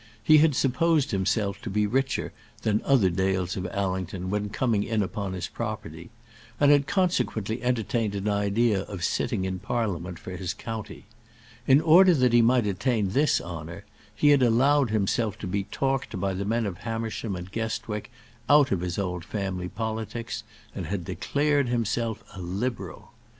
He had supposed himself to be richer than other Dales of Allington when coming in upon his property, and had consequently entertained an idea of sitting in Parliament for his county. In order that he might attain this honour he had allowed himself to be talked by the men of Hamersham and Guestwick out of his old family politics, and had declared himself a Liberal.